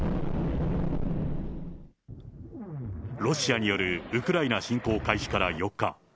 ロシアによるウクライナ侵攻開始から４日。